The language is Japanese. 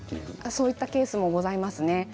そういったケースもございますね。